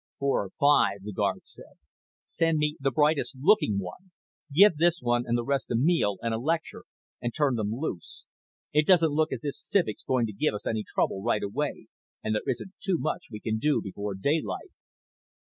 "Four or five," the guard said. "Send me the brightest looking one. Give this one and the rest a meal and a lecture and turn them loose. It doesn't look as if Civek is going to give us any trouble right away and there isn't too much we can do before daylight."